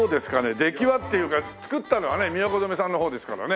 出来はっていうか作ったのはねみやこ染さんの方ですからね。